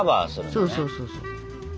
そうそうそうそう。